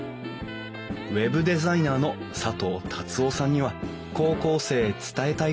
ウェブデザイナーの佐藤達夫さんには高校生へ伝えたいことがありました